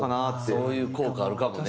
そういう効果あるかもね。